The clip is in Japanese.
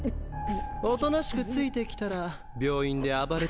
おとなしくついてきたら病院で暴れたりしないよ。